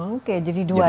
oke jadi dua